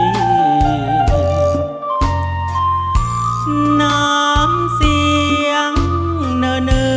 น้ำเสียงเนอ